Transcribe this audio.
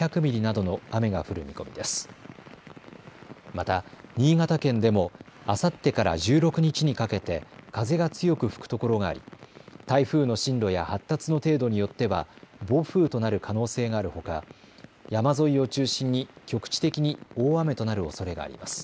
また新潟県でもあさってから１６日にかけて風が強く吹くところがあり台風の進路や発達の程度によっては暴風となる可能性があるほか山沿いを中心に局地的に大雨となるおそれがあります。